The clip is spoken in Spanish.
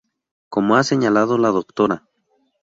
Como ha señalado la Dra.